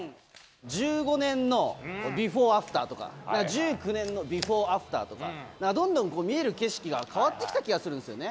１５年のビフォー、アフターとか、１９年のビフォー、アフターとか、どんどん見える景色が変わってきた気がするんですよね。